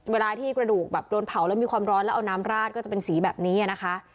เวลาที่กระดูกแบบโดนเผาแล้วมีความร้อนแล้วเอาน้ำราดก็จะเป็นสีแบบนี้นะคะ